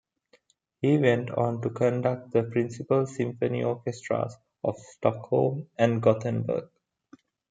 He went on to conduct the principal symphony orchestras of Stockholm and Gothenburg.